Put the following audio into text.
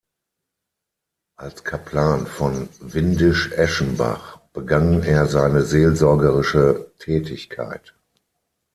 Als Kaplan von Windischeschenbach begann er seine seelsorgliche Tätigkeit.